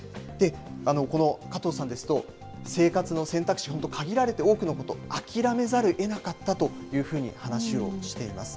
この加藤さんですと、生活の選択肢、本当限られて、多くのこと諦めざるをえなかったというふうに話をしています。